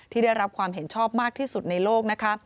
ที่ได้รับความเห็นชอบมากที่สุดในโลก